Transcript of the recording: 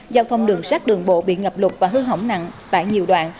giao thông đường sát đường bộ bị ngập lụt và hư hỏng nặng tại nhiều đoạn